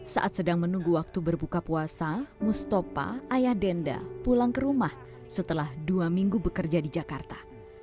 saat sedang menunggu waktu berbuka puasa mustopha ayah denda pulang ke rumah setelah dua minggu bekerja di jakarta